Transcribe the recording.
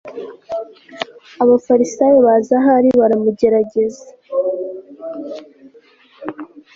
abafarisayo baza aho ari baramugerageza